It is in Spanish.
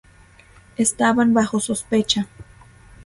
Estaban bajo sospecha.